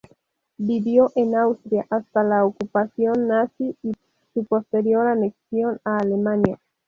Vivió en Austria hasta la ocupación nazi y su posterior anexión a Alemania.